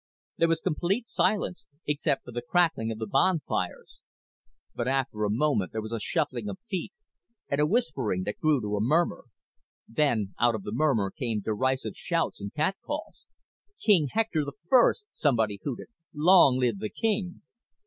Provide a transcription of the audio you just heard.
There was complete silence except for the crackling of the bonfires. But after a moment there was a shuffling of feet and a whispering that grew to a murmur. Then out of the murmur came derisive shouts and catcalls. "King Hector the First!" somebody hooted. "Long live the king!"